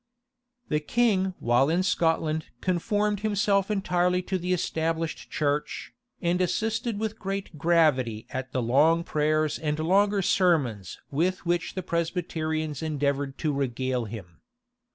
[] The king while in Scotland conformed himself entirely to the established church, and assisted with great gravity at the long prayers and longer sermons with which the Presbyterians endeavored to regale him.